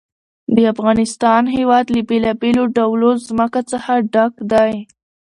د افغانستان هېواد له بېلابېلو ډولو ځمکه څخه ډک دی.